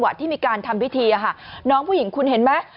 ที่มีการทำพิธีน้องผู้หญิงคุณเห็นไหม